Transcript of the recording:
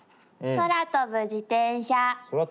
「空飛ぶ自転車」。